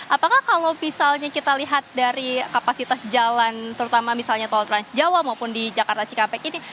apakah kalau misalnya kita lihat dari kapasitas jalan terutama misalnya tol transjawa maupun di jakarta cikampek ini